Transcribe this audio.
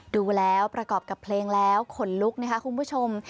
ดูแล้วประกอบกับเพลงแล้วขนลุกนะคะคุณผู้ชม